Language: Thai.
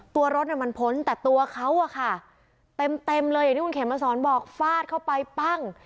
ตัวรถมันพ้นแต่ตัวเขาอะค่ะเต็มเต็มเลยอย่างที่คุณเขมมาสอนบอกฟาดเข้าไปปั้ง